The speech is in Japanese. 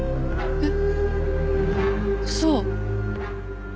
えっ！？